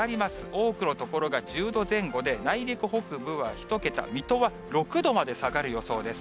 多くの所が１０度前後で、内陸北部は１桁、水戸は６度まで下がる予想です。